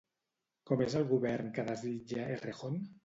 Com és el govern que desitja Errejón?